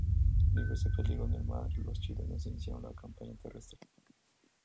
Libres de peligro en el mar, los chilenos iniciaron la campaña terrestre.